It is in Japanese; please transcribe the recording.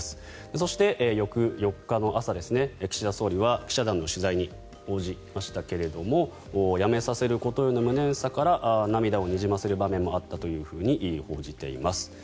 そして、翌４日の朝岸田総理は記者団の取材に応じましたが辞めさせることへの無念さから涙をにじませる場面もあったと報じています。